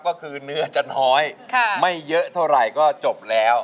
ก็คือเนื้อจะน้อยไม่เยอะเท่าไหรไม่เยอะเท่าไหร่ก็จบแล้ว